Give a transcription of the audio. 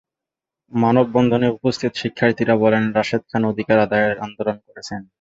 মানববন্ধনে উপস্থিত শিক্ষার্থীরা বলেন, রাশেদ খান অধিকার আদায়ের আন্দোলন করেছেন।